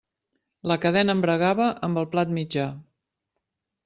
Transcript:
La cadena embragava amb el plat mitjà.